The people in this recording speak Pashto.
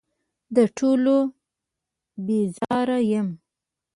له ټولو بېزاره یم .